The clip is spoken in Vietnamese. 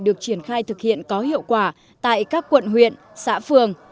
được triển khai thực hiện có hiệu quả tại các quận huyện xã phường